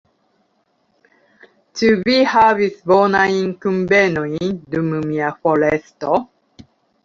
Ĉu vi havis bonajn kunvenojn dum mia foresto?